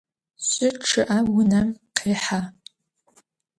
Жьы чъыӏэ унэм къехьэ.